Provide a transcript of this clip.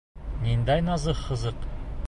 Ниндәй Назых Хазык?